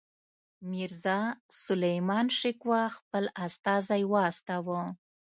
میرزاسلیمان شکوه خپل استازی واستاوه.